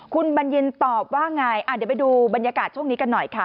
คุณบลงอากาศบาห์ไงอาจะไปดูบรรยากาศช่วงนี้กันหน่อยค่ะ